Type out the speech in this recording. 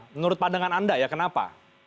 menurut pandangan anda ya kenapa